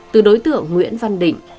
từ đối tượng nguyễn văn định